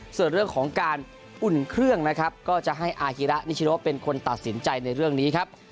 ส่วนเรื่องของการอุ่นเครื่องนะครับก็จะให้อาฮิระนิชโนเป็นคนตัดสินใจในเรื่องนี้ครับ